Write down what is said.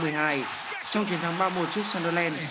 trong chiến thắng ba một trước sunderland